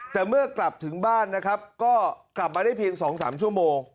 แต่เมื่อกลับถึงบ้านนะครับก็กลับมาได้เพียง๒๓ชั่วโมง